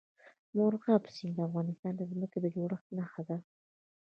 مورغاب سیند د افغانستان د ځمکې د جوړښت نښه ده.